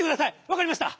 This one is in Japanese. わかりました。